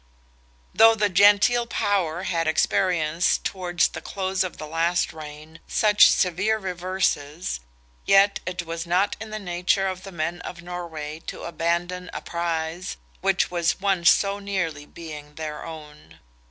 Though the Gentile power had experienced towards the close of the last reign such severe reverses, yet it was not in the nature of the men of Norway to abandon a prize which was once so nearly being their own.